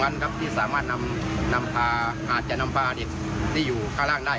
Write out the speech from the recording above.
ในน้ำผ้าอยู่ในค่าร่านได้